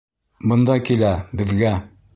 Бында килә, беҙгә!